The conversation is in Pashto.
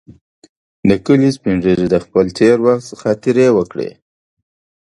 د کلي سپین ږیري د خپل تېر وخت خاطرې وکړې.